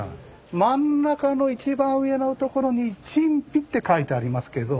真ん中の一番上のところに「陳皮」って書いてありますけど。